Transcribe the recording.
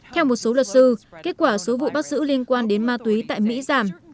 theo một số luật sư kết quả số vụ bắt giữ liên quan đến ma túy tại mỹ giảm